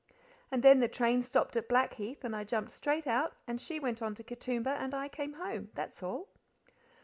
And then the train stopped at Blackheath, and I jumped straight out, and she went on to Katoomba, and I came home. That's all.